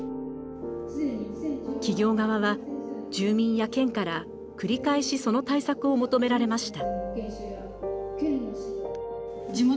企業側は住民や県から繰り返しその対策を求められました。